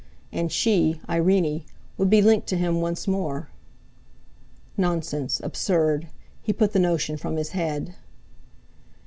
And she—Irene would be linked to him once more. Nonsense! Absurd! He put the notion from his head.